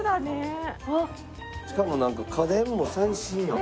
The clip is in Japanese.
しかもなんか家電も最新やん。